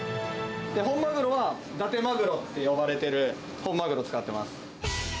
本マグロは、だてまぐろって呼ばれてる本マグロ使ってます。